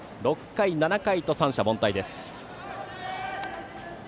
６回、７回と三者凡退です。